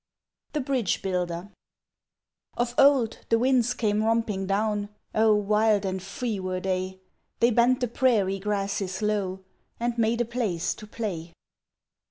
The Bridge Builder OF old the Winds came romping down, Oh, wild and free were they! They bent the prairie grasses low And made a place to play.